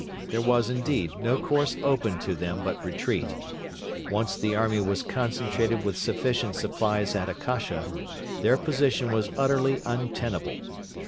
There was, indeed, no course open to them but retreat. Once the army was concentrated with sufficient supplies at Akasha, their position was utterly untenable.